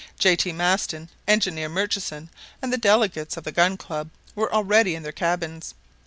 J. T. Maston, Engineer Murchison, and the delegates of the Gun Club, were already in their cabins.